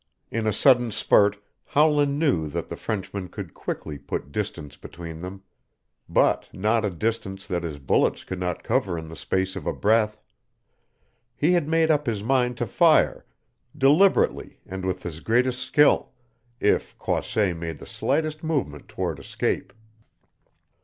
In a sudden spurt Howland knew that the Frenchman could quickly put distance between them but not a distance that his bullets could not cover in the space of a breath. He had made up his mind to fire, deliberately and with his greatest skill, if Croisset made the slightest movement toward escape.